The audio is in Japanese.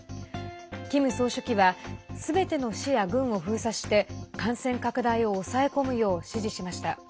キム総書記はすべての市や郡を封鎖して感染拡大を抑え込むよう指示しました。